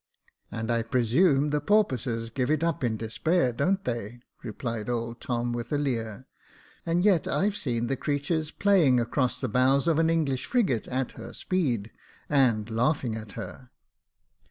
And I presume the porpoises give it up in despair, don't they?" replied old Tom, with a leer; "and yet I've seen the creatures playing across the bows of an English frigate at her speed, and laughing at her."